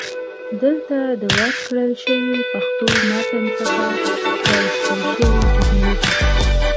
دلته د ورکړل شوي پښتو متن څخه را ایستل شوي جملې دي: